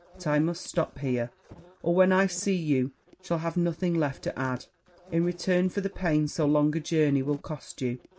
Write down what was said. But I must stop here, or, when I see you, shall have nothing left to add in return for the pains so long a journey will cost you.